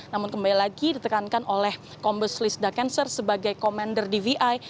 namun kembali lagi ditekankan oleh kombes lisda cancer sebagai komander dvi